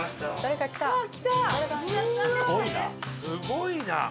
すごいな。